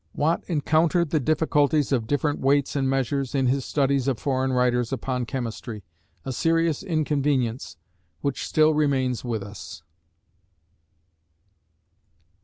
Watt encountered the difficulties of different weights and measures in his studies of foreign writers upon chemistry, a serious inconvenience which still remains with us.